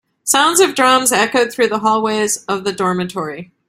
Sounds of drums echoed through the hallways of the dormitory.